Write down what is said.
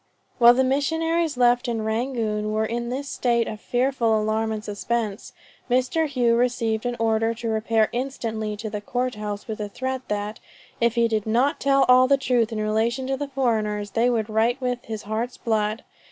While the missionaries left in Rangoon were in this state of fearful alarm and suspense, Mr. Hough received an order to repair instantly to the Court House with a threat, that "if he did not tell all the truth in relation to the foreigners, they would write with his heart's blood."